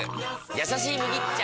「やさしい麦茶」！